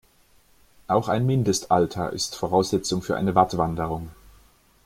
Auch ein Mindestalter ist Voraussetzung für eine Wattwanderung.